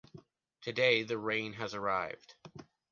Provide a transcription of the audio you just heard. Today, the rain has arrived.